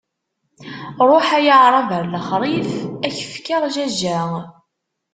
Ṛuḥ ay aɛṛab ar lexṛif, ad k-fkeɣ jajja!